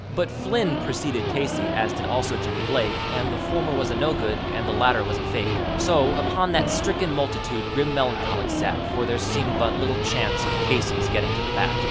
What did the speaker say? But Flynn procede Casey, as did also Jimmy Blake, And the former was a no good and the latter was a fake; So, upon that stricken multitude grim meloncholy sat, For there seemed but little chance of Casey's getting to the bat.